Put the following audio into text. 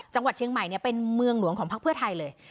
จังหวัดเชียงใหม่เป็นเมืองหลวงของพักเพื่อไทยเลย